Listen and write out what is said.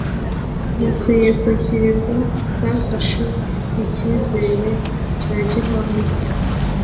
Bikwiye kugirirwa twafashe icyizere cya gihwanye